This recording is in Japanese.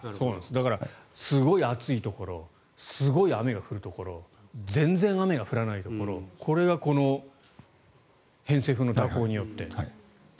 だから、すごい暑いところすごい雨が降るところ全然雨が降らないところこれがこの偏西風の蛇行によって。